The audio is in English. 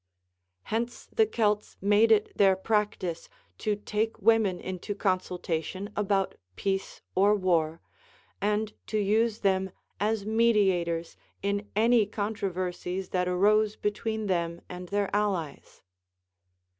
Hence the Celts made it their practice to take women into consultation about peace or war, and to use them as mediators in any controversies that arose between them and their allies.